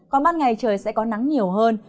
còn ban ngày trời sẽ có nắng nhiều hơn